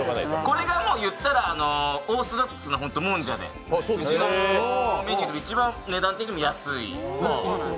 これがもう、いったら、オーソドックスのもんじゃでうちのメニューで一番値段的にも安い。